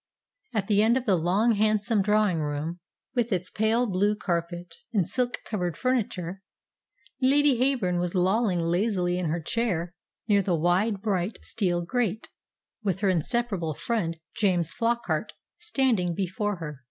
At the end of the long, handsome drawing room, with its pale blue carpet and silk covered furniture, Lady Heyburn was lolling lazily in her chair near the wide, bright steel grate, with her inseparable friend, James Flockart, standing before her.